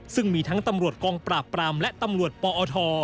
ซึ่งมีทั้งตำรวจกองปราบปรามและตำรวจปอท